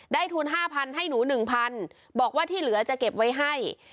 ทุน๕๐๐ให้หนู๑๐๐๐บอกว่าที่เหลือจะเก็บไว้ให้